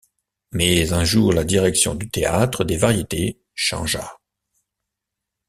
Mais un jour la direction du théâtre des Variétés changea.